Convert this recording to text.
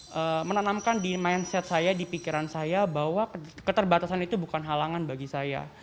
hai menanamkan di mindset saya di pikiran saya bahwa keterbatasan itu bukan halangan bagi saya